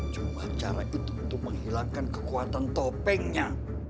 cuma cara itu untuk menghilangkan kekuatan topengnya